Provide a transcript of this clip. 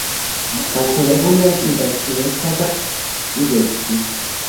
გავრცელებულია შიდა ჩინეთსა და ტიბეტში.